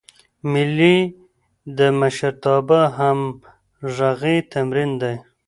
مېلې د مشرتابه او همږغۍ تمرین دئ.